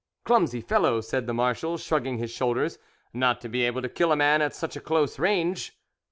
"Clumsy fellow!" said the marshal, shrugging his shoulders, "not to be able to kill a man at such close range."